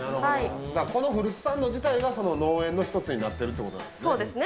このフルーツサンド自体が、その農園の一つになっているということなんですね。